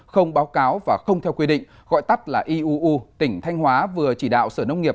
không báo cáo và không theo quy định gọi tắt là iuu tỉnh thanh hóa vừa chỉ đạo sở nông nghiệp